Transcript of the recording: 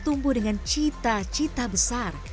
tumbuh dengan cita cita besar